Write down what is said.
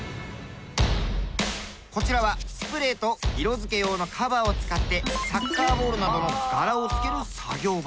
こちらはスプレーと色づけ用のカバーを使ってサッカーボールなどの柄をつける作業場。